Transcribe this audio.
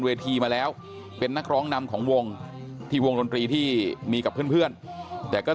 ทีมาแล้วเป็นนักร้องนำของวงที่วงดนตรีที่มีกับเพื่อนแต่ก็